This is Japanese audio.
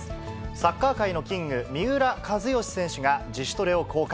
サッカー界のキング、三浦知良選手が自主トレを公開。